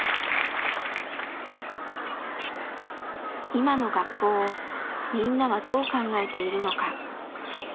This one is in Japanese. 今の学校をみんなはどう考えているのか？